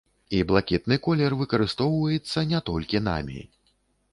І блакітны колер выкарыстоўваецца не толькі намі.